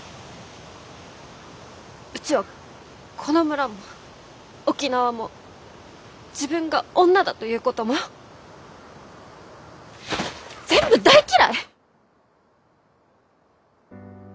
うちはこの村も沖縄も自分が女だということも全部大嫌い！